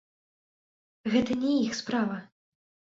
Гэта не іх справа!